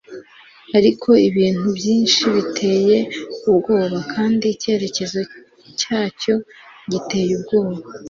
ariko ibintu byinshi biteye ubwoba kandi icyerekezo cyacyo giteye ubwoba